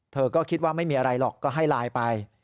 เธอก็คิดว่าไม่มีอะไรหรอกก็ให้ไลน์ไป